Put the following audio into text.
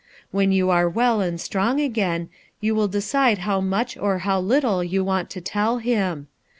When you are well and strong again, you will decide how much or how little you want to tell him.